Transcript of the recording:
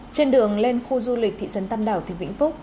trên đường lên khu du lịch thị trấn tam đảo tỉnh vĩnh phúc